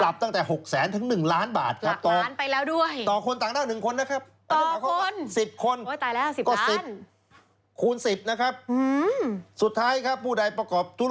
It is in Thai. ปรับตั้งแต่๖๐๐๐๐๐ถึง๑ล้านบาทครับ